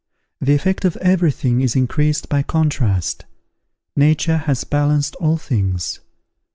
The effect of every thing is increased by contrast; nature has balanced all things.